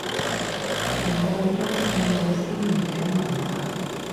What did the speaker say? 我個中史老師移咗民喇